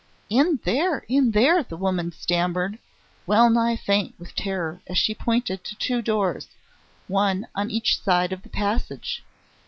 "In there, and in there," the woman stammered, well nigh faint with terror as she pointed to two doors, one on each side of the passage.